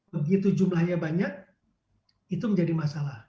begitu jumlahnya banyak itu menjadi masalah